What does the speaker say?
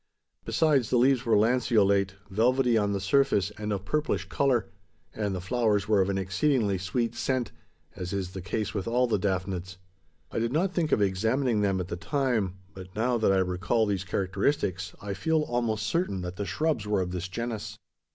Besides, the leaves were lanceolate, velvety on the surface, and of purplish colour; and the flowers were of an exceedingly sweet scent as is the case with all the daphnads. I did not think of examining them at the time; but, now that I recall these characteristics, I feel almost certain that the shrubs were of this genus."